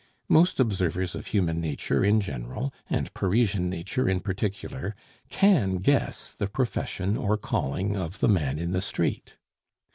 Most observers of human nature in general, and Parisian nature in particular, can guess the profession or calling of the man in the street.